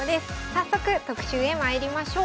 早速特集へまいりましょう。